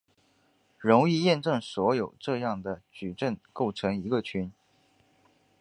容易验证所有这样的矩阵构成一个群。